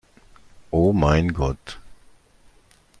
Oh mein Gott!